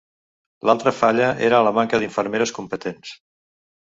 L'altra falla era la manca d'infermeres competents